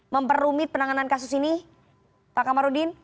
memperumit penanganan kasus ini pak kamarudin